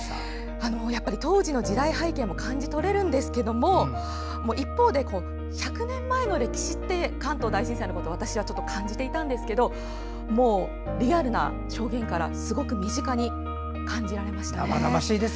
やっぱり当時の時代背景も感じ取れるんですけど一方で１００年前の歴史って関東大震災のことを私は感じていたんですがリアルな証言からすごく身近に感じられましたね。